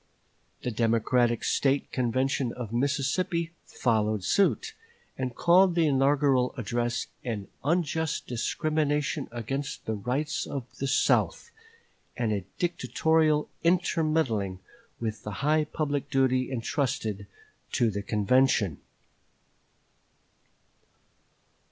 The Democratic State Convention of Mississippi followed suit, and called the inaugural address an unjust discrimination against the rights of the South, and a dictatorial intermeddling with the high public duty intrusted to the convention.